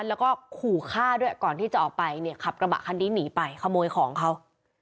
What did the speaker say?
แล้วก็ขู่ฆ่าด้วยก่อนที่จะออกไปเนี่ยขับกระบะคันนี้หนีไปขโมยของเขา